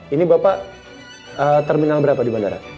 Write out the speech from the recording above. ini bapak terminal berapa di bandara